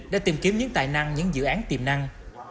để tìm kiếm những tài năng những dự án tiềm năng